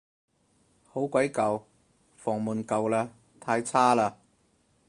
好鬼舊，房門舊嘞，太差嘞